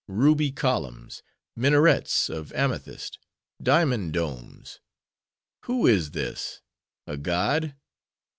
Ruby columns: minarets of amethyst: diamond domes! Who is this?—a god?